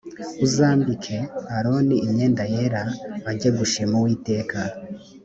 uzambike aroni imyenda yera ajye gushima uwiteka